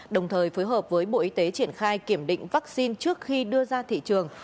đồng thời phối hợp với bộ y tế triển khai kiểm định vaccine trước khi đưa ra thị trường